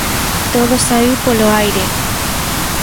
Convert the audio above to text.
Todo saíu polo aire.